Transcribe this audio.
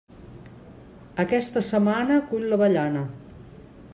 Aquesta setmana, cull l'avellana.